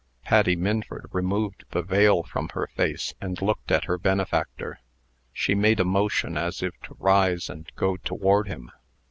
Patty Minford removed the veil from her face, and looked at her benefactor. She made a motion as if to rise and go toward him.